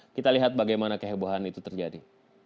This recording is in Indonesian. kita lihat bagaimana kehebohan itu terjadi